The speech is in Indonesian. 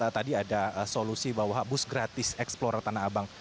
tadi ada solusi bahwa bus gratis eksplore tanah abang